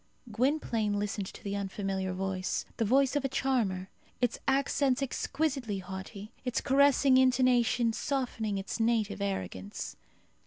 Gwynplaine listened to the unfamiliar voice the voice of a charmer, its accents exquisitely haughty, its caressing intonation softening its native arrogance.